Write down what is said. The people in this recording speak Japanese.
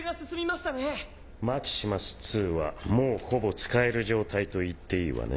淵妊紂璽法マキシマスはもうほぼ使える状態と言っていいわね。